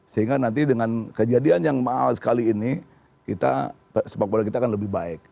sehingga nanti dengan kejadian yang mahal sekali ini sepak bola kita akan lebih baik